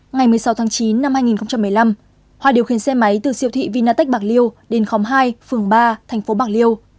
ngày một mươi sáu tháng chín năm hai nghìn một mươi năm hòa điều khiển xe máy từ siêu thị vinatech bạc liêu đến khóm hai phường ba thành phố bạc liêu